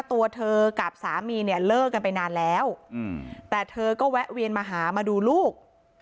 ตัวเธอกับสามีเนี่ยเลิกกันไปนานแล้วแต่เธอก็แวะเวียนมาหามาดูลูก